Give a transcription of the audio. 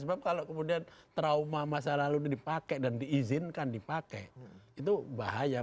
sebab kalau kemudian trauma masa lalu ini dipakai dan diizinkan dipakai itu bahaya